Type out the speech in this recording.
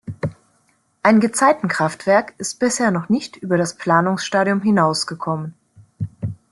Ein Gezeitenkraftwerk ist bisher noch nicht über das Planungsstadium hinausgekommen.